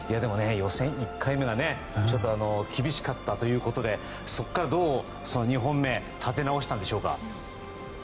予選１回目がちょっと厳しかったということでそこから、どう２本目立て直したんでしょうか？